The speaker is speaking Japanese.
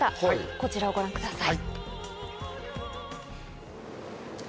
こちらをご覧ください。